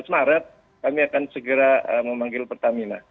dua belas maret kami akan segera memanggil pertamina